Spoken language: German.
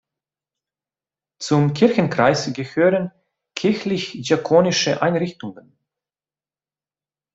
Zum Kirchenkreis gehören kirchlich-diakonische Einrichtungen.